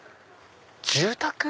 住宅？